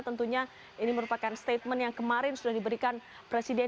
tentunya ini merupakan statement yang kemarin sudah diberikan presiden